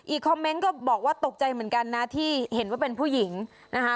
คอมเมนต์ก็บอกว่าตกใจเหมือนกันนะที่เห็นว่าเป็นผู้หญิงนะคะ